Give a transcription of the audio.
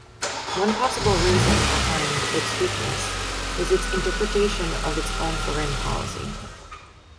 One possible reason behind its weakness is its interpretation of its own foreign policy.